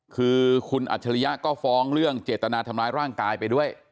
คือคุณอัจฉริยะก็ฟ้องเรื่องเจตนาทำร้ายร่างกายไปด้วย